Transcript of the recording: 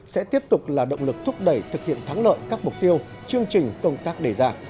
sẽ tiếp tục là động lực thúc đẩy thực hiện thắng lợi các mục tiêu chương trình công tác đề ra